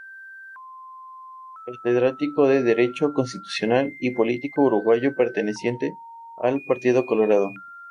Catedrático de Derecho Constitucional y político uruguayo perteneciente al Partido Colorado.